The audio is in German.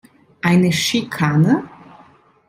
Eine Schikane?